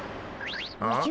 おじゃ？